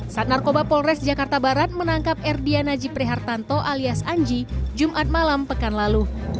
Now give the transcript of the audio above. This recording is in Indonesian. sat narkoba polres jakarta barat menangkap erdian najib rehartanto alias anji jumat malam pekan lalu